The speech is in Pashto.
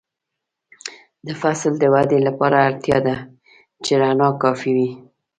د فصل د ودې لپاره اړتیا ده چې رڼا کافي وي.